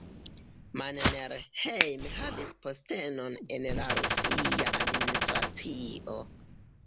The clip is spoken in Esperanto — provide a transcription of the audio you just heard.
Mannerheim havis postenon en la rusia administracio.